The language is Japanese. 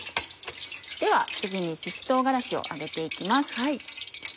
では次にしし唐辛子を揚げて行きます。